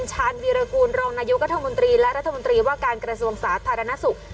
ชาญวีรกูลรองนายกรัฐมนตรีและรัฐมนตรีว่าการกระทรวงสาธารณสุข